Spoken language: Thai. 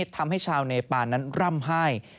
ทำให้ชาวเนปานนั้นร่ำไห้